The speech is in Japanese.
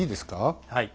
はい。